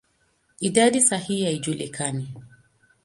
Idadi sahihi haijulikani.